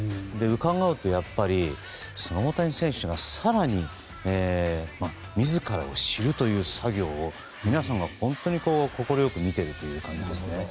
伺うと、やっぱり大谷選手が更に自らを知るという作業を皆さん、本当に快く見ているという感じですね。